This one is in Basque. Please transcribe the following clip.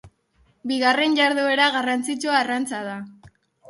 Bigarren jarduera garrantzitsua arrantza da.